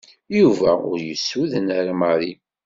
Yuba ur yessuden ara Mary.